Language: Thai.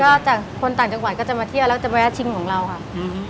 ก็จากคนต่างจังหวัดก็จะมาเที่ยวแล้วจะแวะชิมของเราค่ะอืม